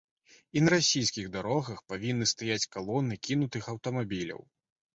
І на расійскіх дарогах павінны стаяць калоны кінутых аўтамабіляў.